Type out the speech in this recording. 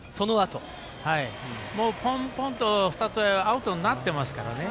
ぽんぽんと２つアウトになってますから。